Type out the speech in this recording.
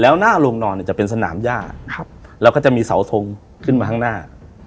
แล้วหน้าโรงนอนเนี่ยจะเป็นสนามย่าแล้วก็จะมีเสาทงขึ้นมาข้างหน้า